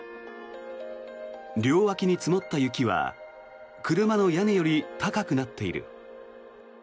両脇に積もった雪は車の屋根より高くなっている。